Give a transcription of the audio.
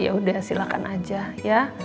yaudah silahkan aja ya